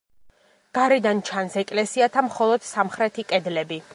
გარედან ჩანს ეკლესიათა მხოლოდ სამხრეთი კედლები.